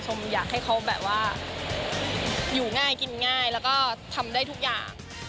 อยากให้เขาแบบว่าอยู่ง่ายกินง่ายแล้วก็ทำได้ทุกอย่าง